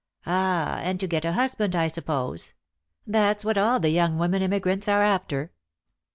" Ah, and to get a husband, I suppose. That's what all the young women emigrants are after."